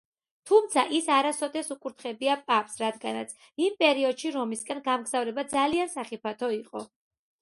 თუმცა ის არასოდეს უკურთხებია პაპს, რადგანაც იმ პერიოდში რომისკენ გამგზავრება ძალიან სახიფათო იყო.